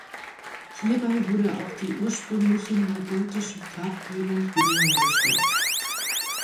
Hierbei wurde auch die ursprüngliche neugotische Farbgebung wiederhergestellt.